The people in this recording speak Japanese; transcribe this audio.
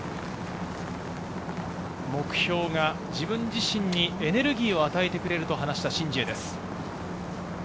目標が自分自身にエネルギーを与えてくれると話した、シン・ジエです。